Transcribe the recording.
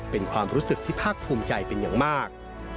เป็นความรู้สึกที่ภาคภูมิใจเป็นอย่างมาก